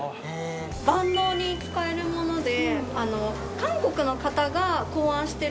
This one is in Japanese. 万能に使えるもので。